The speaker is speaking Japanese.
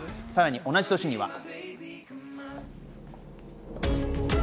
さらに同じ年には。